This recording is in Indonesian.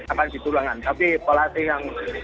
akan ditulangkan tapi pelatih yang